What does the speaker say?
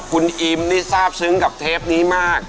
คุณอิมนี่ทราบซึ้งกับเทปนี้มาก